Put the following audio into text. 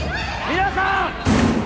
皆さん！